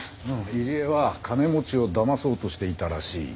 入江は金持ちをだまそうとしていたらしい。